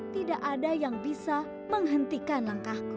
tidak ada yang bisa menghentikan langkahku